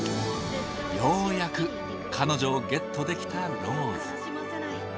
ようやく彼女をゲットできたローズ。